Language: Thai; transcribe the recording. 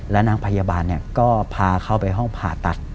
แล้วนางพยาบาลก็พาเข้าไปห้องผ่าตัด